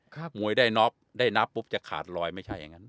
ถ้ามวยได้น็อกได้นับปุ๊บจะขาดรอยไม่ใช่อย่างนั้น